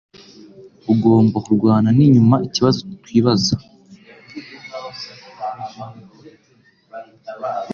Ugomba kurwana inyuma ikibazo twibaza